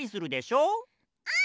うん！